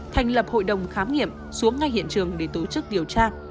thành lập hội đồng khám nghiệm xuống ngay hiện trường để tổ chức điều tra